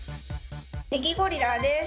ネギゴリラです。